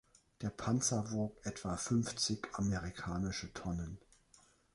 Der Panzer wog etwa fünfzig Amerikanische Tonnen.